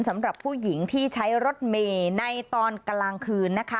สำหรับผู้หญิงที่ใช้รถเมย์ในตอนกลางคืนนะคะ